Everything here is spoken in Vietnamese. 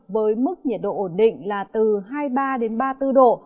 với mức nhiệt độ ổn định là từ hai mươi ba đến ba mươi bốn độ